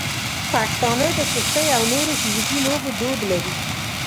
پښتانه د کشتۍ او نورو فزیکي لوبو دود لري.